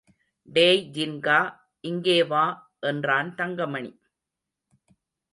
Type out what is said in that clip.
டேய் ஜின்கா இங்கே வா என்றான் தங்கமணி.